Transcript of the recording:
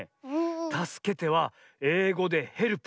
「たすけて」はえいごで「ヘルプ」。